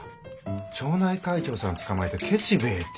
町内会長さんつかまえてケチ兵衛て。